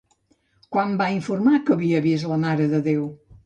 Quan va informar que havia vist la Mare de Déu?